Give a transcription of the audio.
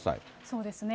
そうですね。